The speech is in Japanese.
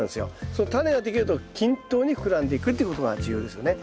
そのタネができると均等に膨らんでいくっていうことが重要ですよね。